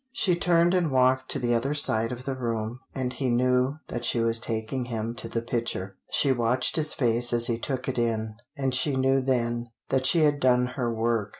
She turned and walked to the other side of the room, and he knew that she was taking him to the picture. She watched his face as he took it in, and she knew then that she had done her work.